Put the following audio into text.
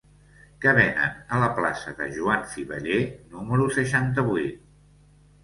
Què venen a la plaça de Joan Fiveller número seixanta-vuit?